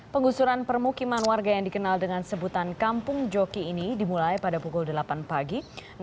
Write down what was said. penggusuran permukiman warga yang dikenal dengan sebutan kampung joki ini dimulai pada pukul delapan pagi